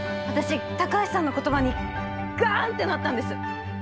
私高橋さんの言葉にガンってなったんです。